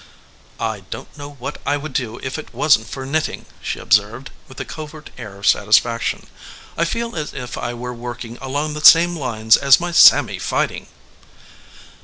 "I don t know what I would do if it wasn t for knitting," she observed, with a covert air of satis faction. "I feel as if I were working along the same lines as my Sammy fighting."